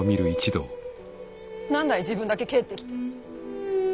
何だい自分だけ帰ってきて。